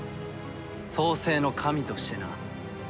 創世の神としてな。